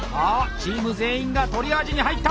チーム全員がトリアージに入った！